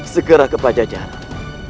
segera ke pajajaran